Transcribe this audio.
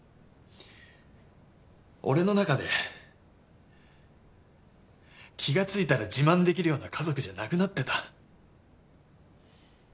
俺の中で気が付いたら自慢できるような家族じゃなくなってた。